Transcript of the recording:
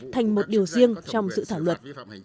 thành một điều riêng trong dự thảo luật